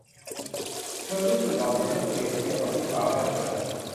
เธอรู้สึกอ่อนแอเมื่อเปรียบเทียบกับลูกสาวแรกเกิด